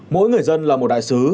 mỗi người dân là một đại sứ